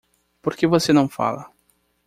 Por que você não fala?